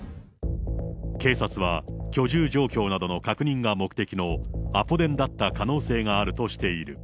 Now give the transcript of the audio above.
警察は、居住状況などの確認が目的のアポ電だった可能性があるとしている。